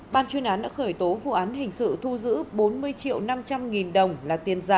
ban chuyên án đã khởi tố vụ án hình sự thu giữ bốn mươi triệu năm trăm linh nghìn đồng là tiền giả